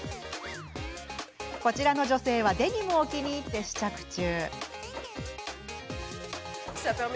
こちらの女性はデニムを気に入って試着中。